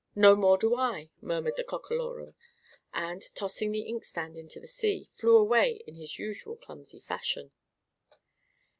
"] "No more do I," murmured the Cockalorum, and, tossing the inkstand into the sea, flew away in his usual clumsy fashion.